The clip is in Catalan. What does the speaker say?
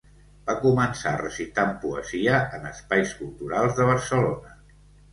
Va començar recitant poesia en espais culturals de Barcelona.